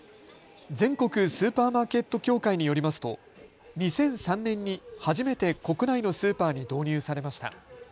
全国スーパーマーケット協会によりますと２００３年に初めて国内のスーパーに導入されました。